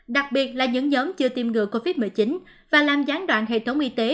đặc biệt là những nhóm chưa tiêm ngừa covid một mươi chín và làm gián đoạn hệ thống y tế